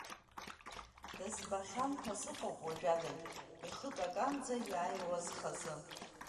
Дызбахьан ҳәа сыҟоуп уажәадагь ихы каканӡа иааиуаз хазы.